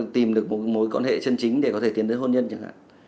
tìm được một mối quan hệ chân chính để có thể tiến tới hôn nhân chẳng hạn